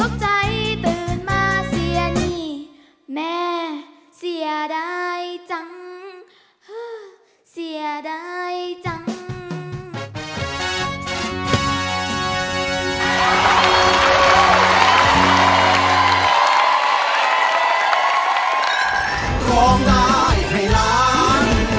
ตกใจตื่นมาเสียดายจังคิดทบทวนเรื่องฝันฉันนี้